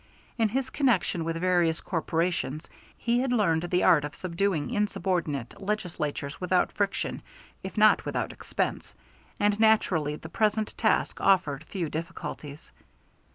In his connection with various corporations he had learned the art of subduing insubordinate legislatures without friction, if not without expense, and naturally the present task offered few difficulties.